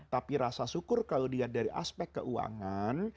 tapi rasa syukur kalau dilihat dari aspek keuangan